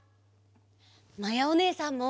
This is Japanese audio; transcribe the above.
まやおねえさんも！